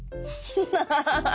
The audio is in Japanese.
ハハハハッ！